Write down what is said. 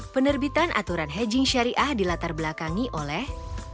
penerbitan aturan hedging syariah dilatar belakangi oleh